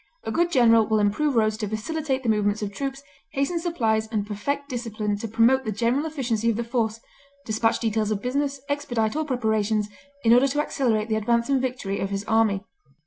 A good general will improve roads to facilitate the movements of troops, hasten supplies and perfect discipline to promote the general efficiency of the force, despatch details of business, expedite all preparations, in order to accelerate the advance and victory of his army.